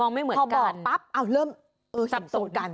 มองไม่เหมือนกันพอบอกปั๊บเอาเริ่มเห็นโทรกัน